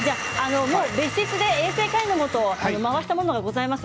別室で衛生管理のもと回したものがございます。